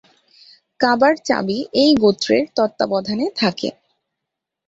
কাবার চাবি এই গোত্রের তত্ত্বাবধানে থাকে।